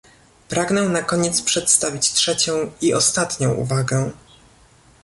Pragnę na koniec przedstawić trzecią i ostatnią uwagę